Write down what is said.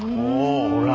ほら！